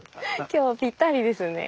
今日ぴったりですね。